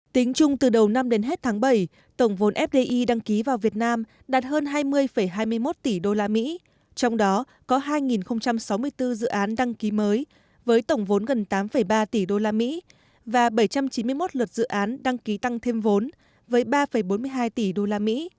tính chung từ đầu năm đến hết tháng bảy tổng vốn fdi đăng ký vào việt nam đạt hơn hai mươi hai mươi một tỷ usd trong đó có hai sáu mươi bốn dự án đăng ký mới với tổng vốn gần tám ba tỷ usd và bảy trăm chín mươi một luật dự án đăng ký tăng thêm vốn với ba bốn mươi hai tỷ usd